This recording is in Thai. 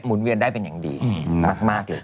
เวียนได้เป็นอย่างดีมากเลย